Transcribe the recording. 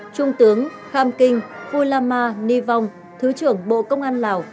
trung tướng kham kinh phu la ma ni vong thứ trưởng bộ công an lào